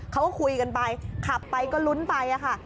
เขาก็คุยกันไปขับไปก็ลุ้นไปค่ะ